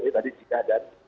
tadi cina dan